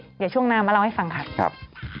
เดี๋ยวช่วงหน้ามาเล่าให้ฟังค่ะ